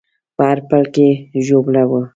په هر پل کې ژوبلوله